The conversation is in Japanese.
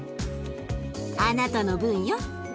あなたの分よ。